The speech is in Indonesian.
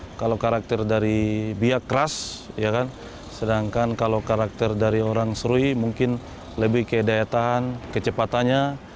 ya kalau karakter dari biak keras sedangkan kalau karakter dari orang serui mungkin lebih ke daya tahan kecepatannya